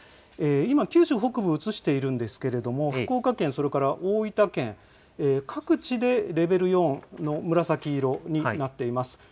今、九州北部を映しているんですけれども、福岡県、それから大分県、各地でレベル４の紫色になっています。